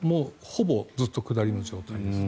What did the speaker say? ほぼずっと下りの状態です。